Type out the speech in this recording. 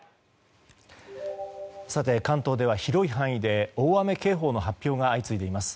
関東では広い範囲で大雨警報の発表が相次いでいます。